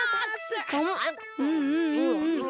あむうんうんうんうん。